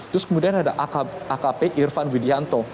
terus kemudian ada akp irfan widianto